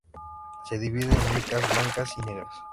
Se divide en micas blancas y negras.